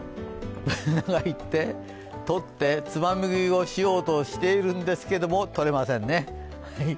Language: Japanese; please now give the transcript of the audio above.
行って、取って手つまみ食いをしようとしてるんですけれども、取れませんね。